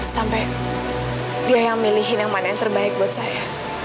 sampai dia yang milihin yang mana yang terbaik buat saya